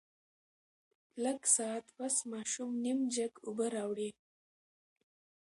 لږ ساعت پس ماشوم نيم جګ اوبۀ راوړې